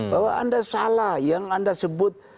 bahwa anda salah yang anda sebut